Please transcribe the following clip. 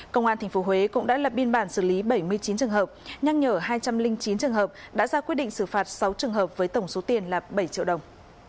công an tp huế cũng đã lập biên bản xử lý bảy mươi chín trường hợp nhắc nhở hai trăm linh chín trường hợp đã ra quyết định xử phạt sáu trường hợp với tổng số tiền là bảy triệu đồng